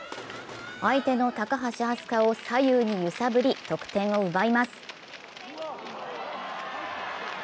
相手の高橋明日香を左右に揺さぶり得点を奪います。